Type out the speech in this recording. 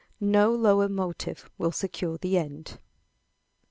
No lower motive will secure the end.